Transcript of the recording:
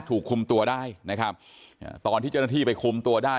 ถูกคุมตัวได้นะครับอ่าตอนที่เจ้าหน้าที่ไปคุมตัวได้